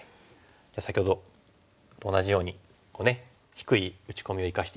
先ほどと同じようにこうね低い打ち込みを生かしてスベっていきます。